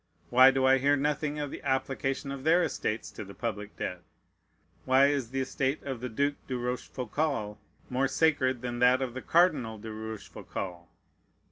Why do I hear nothing of the application of their estates to the public debt? Why is the estate of the Duke de Rochefoucault more sacred than that of the Cardinal de Rochefoucault?